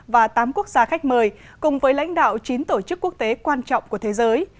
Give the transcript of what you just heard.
và tám quốc gia khách mời cùng với lãnh đạo chín tổ chức quốc tế quan trọng của thế giới